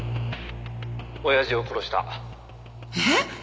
親父を殺した」えっ！？